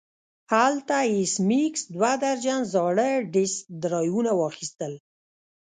هلته ایس میکس دوه درجن زاړه ډیسک ډرایوونه واخیستل